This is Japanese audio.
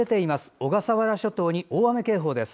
小笠原諸島に大雨警報です。